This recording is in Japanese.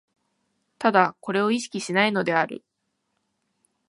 唯これを意識しないのである。